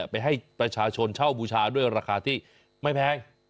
ไปให้ประชาชนเช่าบูชาด้วยราคาที่ไม่แพง